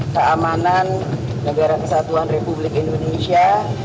keamanan negara kesatuan republik indonesia